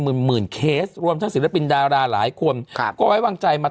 หมื่นหมื่นเคสรวมทั้งศิลปินดาราหลายคนครับก็ไว้วางใจมา